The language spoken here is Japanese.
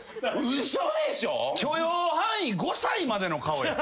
許容範囲５歳までの顔や。